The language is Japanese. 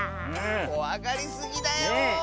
こわがりすぎだよ。